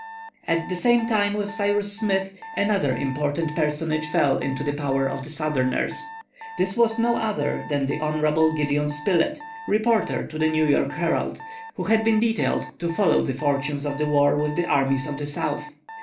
At the same time with Cyrus Smith another important personage fell into the power of the Southerners. This was no other than the honorable Gideon Spilett, reporter to the New York Herald, who had been detailed to follow the fortunes of the war with the armies of the North.